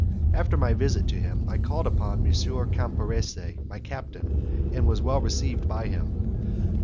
After my visit to him, I called upon M. Camporese, my captain, and was well received by him.